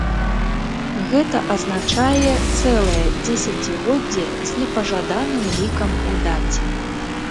Гэта азначае цэлае дзесяцігоддзе з непажаданым лікам у даце.